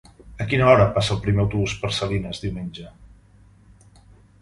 A quina hora passa el primer autobús per Salines diumenge?